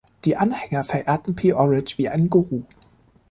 Die Anhänger verehrten P-Orridge wie einen Guru.